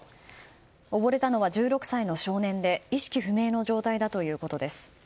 おぼれたのは１６歳の少年で意識不明の状態だということです。